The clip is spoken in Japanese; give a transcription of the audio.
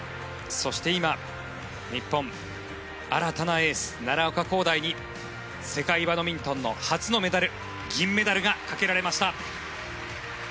そして、今、日本の新たなエース奈良岡功大に世界バドミントンの初のメダル銀メダルがかけられました。